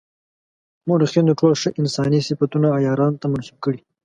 مورخینو ټول ښه انساني صفتونه عیارانو ته منسوب کړي.